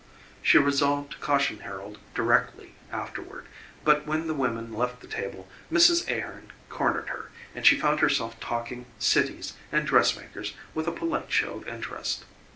She resolved to caution Harold directly afterward, but when the women left the table Mrs. Ahearn cornered her, and she found herself talking cities and dressmakers with a polite show of interest.